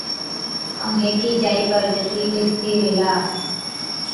ائُون هيڪِي جائِي پر جتِي ٻيستِي ريهلا۔